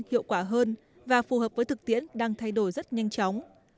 hiệu quả hơn và phù hợp với thực tiễn đang thay đổi rất nhanh chóng